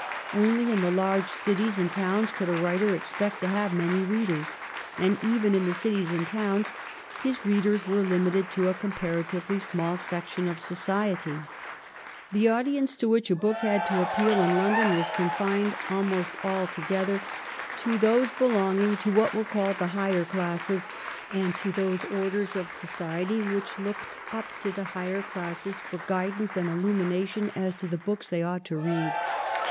Only in the large cities and towns could a writer expect to have many readers, and even in the cities and towns his readers were limited to a comparatively small section of society. The audience to which a book had to appeal in London was confined almost ^.Itogether to those 248 THE KEIGN OF QUEEN ANNE. ch. xxxii. belonging to what were called the higher classes, and to those orders of society which looked up to the higher classes for guidance and illumination as to the books they ought to read.